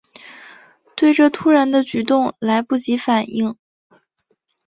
对这突然的举动来不及反应